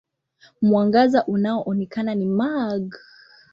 Mwangaza unaoonekana ni mag.